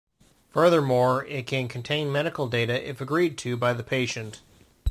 Furthermore, it can contain medical data if agreed to by the patient.